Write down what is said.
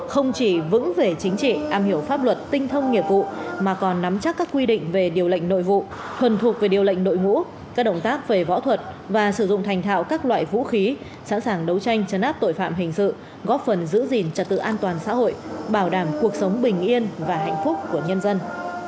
không chỉ vững về chính trị am hiểu pháp luật tinh thông nghiệp vụ mà còn nắm chắc các quy định về điều lệnh nội vụ thuần thuộc về điều lệnh đội ngũ các động tác về võ thuật và sử dụng thành thạo các loại vũ khí sẵn sàng đấu tranh chấn áp tội phạm hình sự góp phần giữ gìn trật tự an toàn xã hội bảo đảm cuộc sống bình yên và hạnh phúc của nhân dân